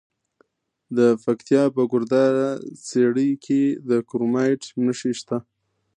د پکتیا په ګرده څیړۍ کې د کرومایټ نښې شته.